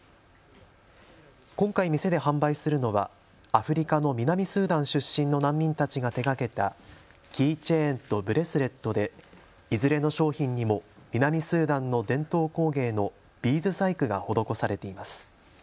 今回、店で販売するのはアフリカの南スーダン出身の難民たちが手がけたキーチェーンとブレスレットでいずれの商品にも南スーダンの伝統工芸のビーズ細工が施されています。